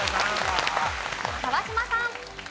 川島さん。